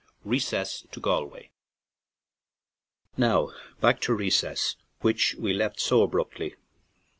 RECESS TO GALWAY NOW back to Recess, which we left so abruptly.